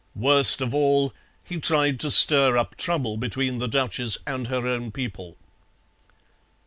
Worst of all, he tried to stir up trouble between the duchess and her own people.